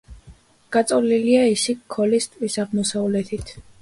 გაწოლილია ისიქ-ქოლის ტბის აღმოსავლეთით.